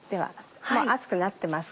熱くなってます